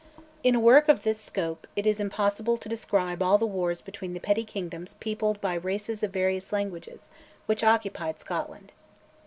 In a work of this scope, it is impossible to describe all the wars between the petty kingdoms peopled by races of various languages, which occupied Scotland.